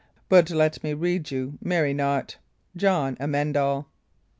But let me rede you, marry not. JON AMEND ALL.